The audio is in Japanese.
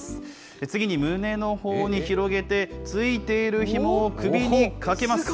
次に胸のほうに広げて、付いているひもを首にかけます。